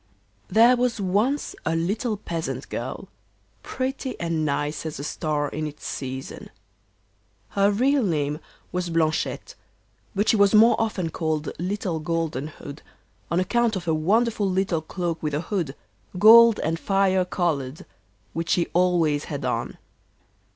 There was once a little peasant girl, pretty and nice as a star in its season. Her real name was Blanchette, but she was more often called Little Golden hood, on account of a wonderful little cloak with a hood, gold and fire coloured, which she always had on.